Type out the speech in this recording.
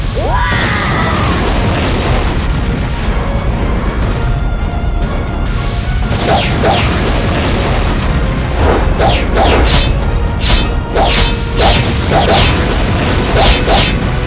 prasetya yang sudah berhenti vom